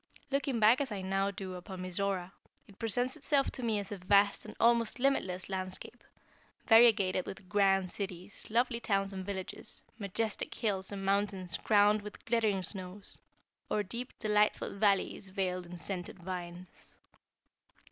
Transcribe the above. Looking back as I now do upon Mizora, it presents itself to me as a vast and almost limitless landscape, variegated with grand cities, lovely towns and villages, majestic hills and mountains crowned with glittering snows, or deep, delightful valleys veiled in scented vines.